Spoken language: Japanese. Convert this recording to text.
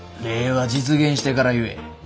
礼は実現してから言え。